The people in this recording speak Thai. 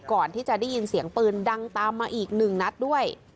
ก่อนที่จะได้ยินเสียงปืนดังตามมาอีกหนึ่งนัดด้วย